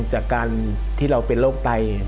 จากการที่เราเป็นโรคไต